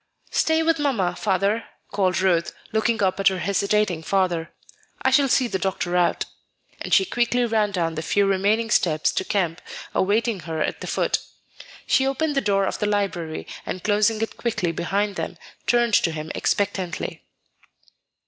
"Stay with Mamma, Father," called Ruth, looking up at her hesitating father; "I shall see the doctor out;" and she quickly ran down the few remaining steps to Kemp, awaiting her at the foot. She opened the door of the library, and closing it quickly behind them, turned to him expectantly.